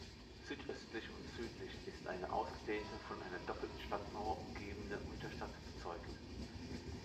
Südöstlich und südlich ist eine ausgedehnte von einer doppelten Stadtmauer umgebene Unterstadt bezeugt.